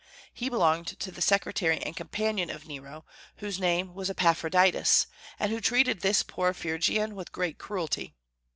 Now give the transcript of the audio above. He belonged to the secretary and companion of Nero, whose name was Epaphroditus, and who treated this poor Phrygian with great cruelty.